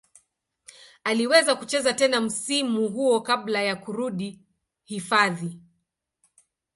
Aliweza kucheza tena msimu huo kabla ya kurudi hifadhi.